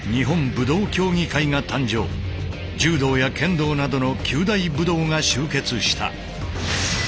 柔道や剣道などの九大武道が集結した。